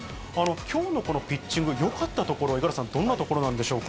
きょうのこのピッチング、よかったところ、五十嵐さん、どんなところなんでしょうか。